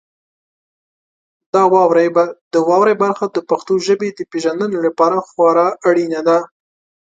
د واورئ برخه د پښتو ژبې د پیژندنې لپاره خورا اړینه ده.